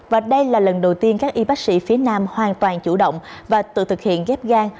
và đây là lần đầu tiên các y bác sĩ phía nam hoàn toàn chủ động và tự thực hiện ghép gan